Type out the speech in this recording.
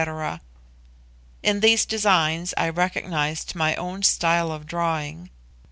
In these designs I recognised my own style of drawing.